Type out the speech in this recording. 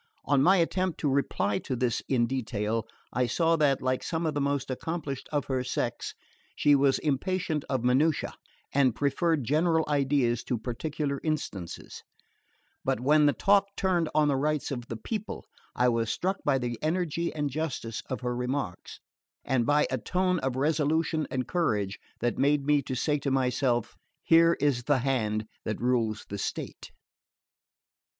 On my attempting to reply to this in detail, I saw that, like some of the most accomplished of her sex, she was impatient of minutiae, and preferred general ideas to particular instances; but when the talk turned on the rights of the people I was struck by the energy and justice of her remarks, and by a tone of resolution and courage that made me to say to myself: "Here is the hand that rules the state."